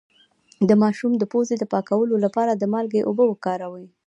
د ماشوم د پوزې د پاکوالي لپاره د مالګې اوبه وکاروئ